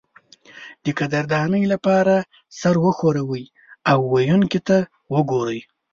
د قدردانۍ لپاره سر وښورئ او ویونکي ته وګورئ.